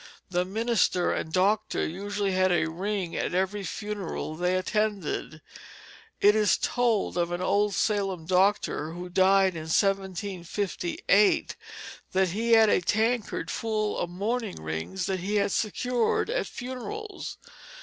The minister and doctor usually had a ring at every funeral they attended. It is told of an old Salem doctor, who died in 1758, that he had a tankard full of mourning rings which he had secured at funerals.